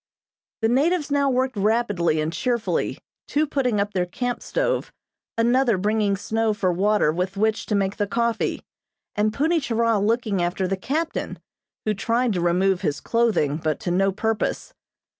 The natives now worked rapidly and cheerfully, two putting up their camp stove, another bringing snow for water with which to make the coffee, and Punni Churah looking after the captain, who tried to remove his clothing, but to no purpose.